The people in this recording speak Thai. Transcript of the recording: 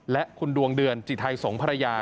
และคุณดวงเดือนจิตไทยสงศ์ภรรยา